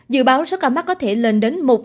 dự báo số ca mắc có thể lên đến